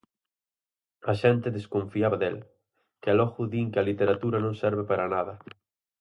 A xente desconfiaba del, que logo din que a literatura non serve para nada.